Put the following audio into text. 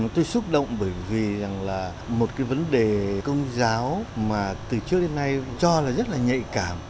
tôi xúc động bởi vì rằng là một cái vấn đề công giáo mà từ trước đến nay cho là rất là nhạy cảm